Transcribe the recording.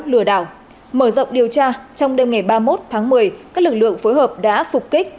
lừa đảo mở rộng điều tra trong đêm ngày ba mươi một tháng một mươi các lực lượng phối hợp đã phục kích